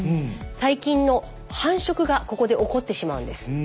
細菌の繁殖がここで起こってしまうんです。